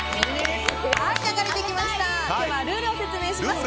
では、ルールを説明します。